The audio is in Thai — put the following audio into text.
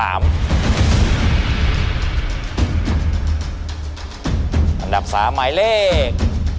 อันดับ๓หมายเลข